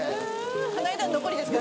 この間の残りですか？